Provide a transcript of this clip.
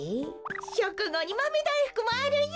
しょくごにまめだいふくもあるよ。